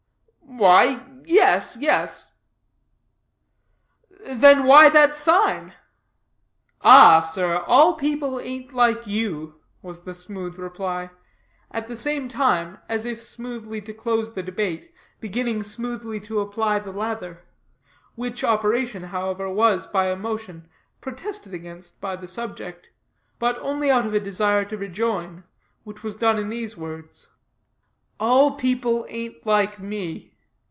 "Why yes, yes." "Then why that sign?" "Ah, sir, all people ain't like you," was the smooth reply, at the same time, as if smoothly to close the debate, beginning smoothly to apply the lather, which operation, however, was, by a motion, protested against by the subject, but only out of a desire to rejoin, which was done in these words: "All people ain't like me.